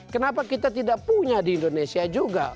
kenapa kita tidak punya di indonesia juga